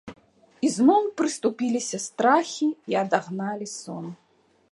І зноў прыступіліся страхі і адагналі сон.